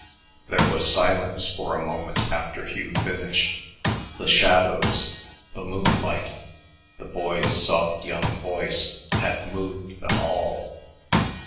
There was silence for a moment after Hugh finished. The shadows, the moonlight, the boy's soft young voice had moved them all.